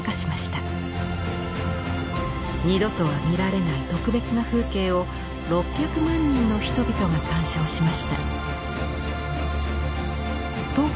二度とは見られない特別な風景を６００万人の人々が鑑賞しました。